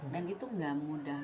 dan itu nggak mudah